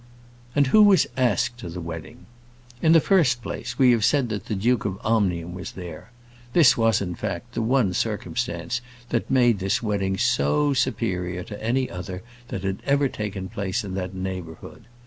And who was asked to the wedding? In the first place, we have said that the Duke of Omnium was there. This was, in fact, the one circumstance that made this wedding so superior to any other that had ever taken place in that neighbourhood.